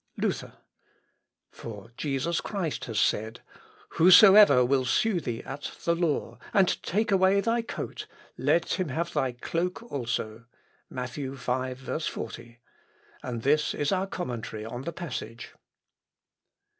Luther. "For Jesus Christ has said, 'Whosoever will sue thee at the law and take away thy coat, let him have thy cloak also.' (Matt. v, 40.) and this is our commentary upon the passage."